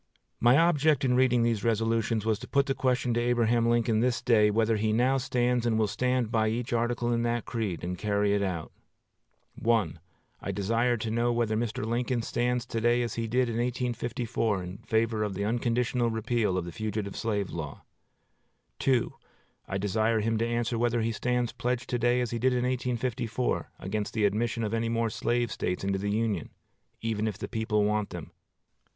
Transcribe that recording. My object in reading these resolutions was to put the question to Abraham Lincoln this day, whether he now stands and will stand by each article in that creed, and carry it out. I desire to know whether Mr. Lincoln to day stands as he did in 1854, in favor of the unconditional repeal of the fugitive slave law. I desire him to answer whether he stands pledged to day, as he did in 1854, against the admission of any more slave States into the Union, even if the people want them.